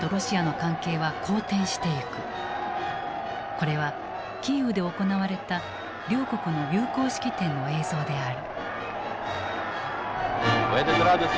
これはキーウで行われた両国の友好式典の映像である。